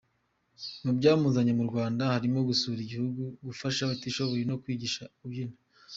Mu byamuzanye mu Rwanda harimo gusura igihugu, gufasha abatishoboye no kwigisha kubyina.